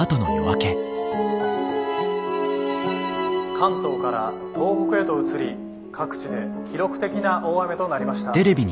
「関東から東北へと移り各地で記録的な大雨となりました。